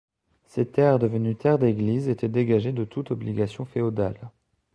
Ces terres devenues terres d'église étaient dégagées de toute obligation féodale.